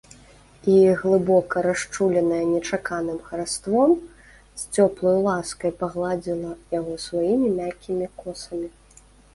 І, глыбока расчуленае нечаканым хараством, з цёплаю ласкай пагладзіла яго сваімі мяккімі косамі.